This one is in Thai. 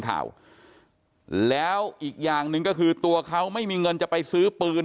ข่าวแล้วอีกอย่างหนึ่งก็คือตัวเขาไม่มีเงินจะไปซื้อปืน